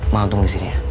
mau tunggu disini ya